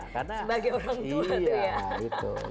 karena sebagai orang tua itu ya